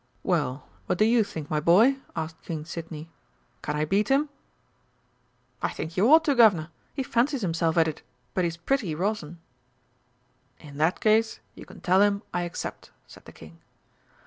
"Well, what do you think, my boy," asked King Sidney. "Can I beat him?" "I think you ought to, Guv'nor. He fancies himself at it but he's pretty rotten." "In that case, you can tell him I accept," said the King.